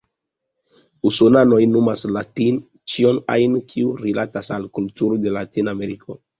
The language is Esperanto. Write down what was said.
Usonanoj nomas "latin" ĉion ajn, kiu rilatas al la kulturo de Latin-Ameriko.